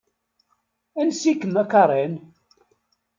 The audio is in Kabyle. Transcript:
Ansi-kem a Karen?